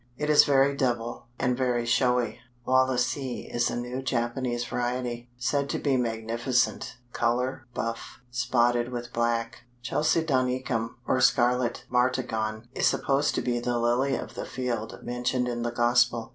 It is very double, and very showy. Wallacei is a new Japanese variety, said to be magnificent; color, buff, spotted with black. Chalcedonicum or Scarlet Martagon is supposed to be the "Lily of the field" mentioned in the Gospel.